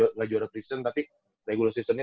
enggak juara pris eh enggak tapi regular season nya